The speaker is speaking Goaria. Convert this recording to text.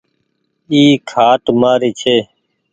اي کآٽ مآري ڇي